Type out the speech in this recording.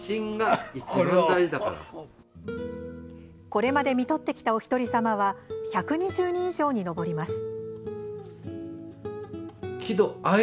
これまでみとってきたおひとりさまは１２０人以上に上ります。